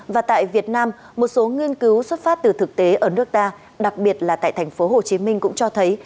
và tại việt nam một số nghiên cứu xuất phát từ thực tế ở nước ta đặc biệt là tại tp hcm cũng cho thấy